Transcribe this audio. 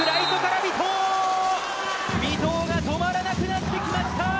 尾藤が止まらなくなってきました。